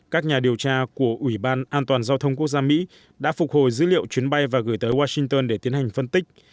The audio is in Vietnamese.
các nhà điều tra của ủy ban an toàn giao thông quốc gia mỹ đã phục hồi dữ liệu chuyến bay và gửi tới washington để tiến hành phân tích